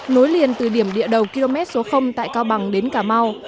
nối liền từ điểm địa đầu km số tại cao bằng đến cà mau